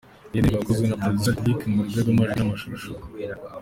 Iyi ndirimbo yakozwe na Producer Lick Lick mu buryo bw’amajwi n’amashusho.